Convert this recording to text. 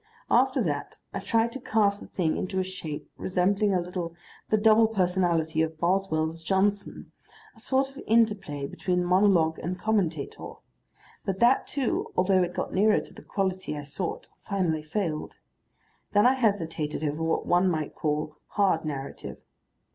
After that I tried to cast the thing into a shape resembling a little the double personality of Boswell's Johnson, a sort of interplay between monologue and commentator; but that too, although it got nearer to the quality I sought, finally failed. Then I hesitated over what one might call "hard narrative."